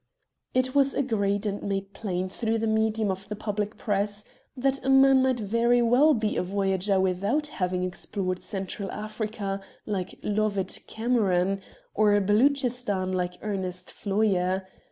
It was agreed and made plain through the medium of the public press that a man might very well be a Voyager without having explored Central Africa like Lovatt Cameron, or Beloochistan like Ernest Floyer.